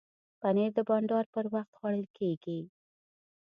پنېر د بانډار پر وخت خوړل کېږي.